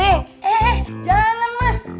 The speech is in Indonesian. eh eh jangan ma